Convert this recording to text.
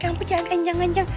kamu jangan nganjang nganjang